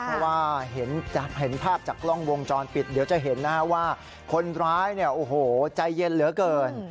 เพราะว่าเห็นภาพจากกล้องวงจรปิดเดี๋ยวจะเห็นว่าคนร้ายใจเย็นเหลือเกิน